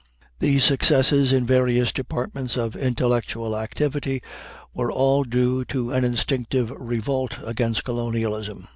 These successes in the various departments of intellectual activity were all due to an instinctive revolt against colonialism.